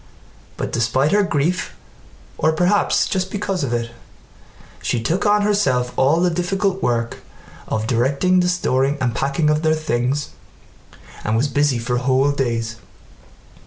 But despite her grief, or perhaps just because of it, she took on herself all the difficult work of directing the storing and packing of their things and was busy for whole days.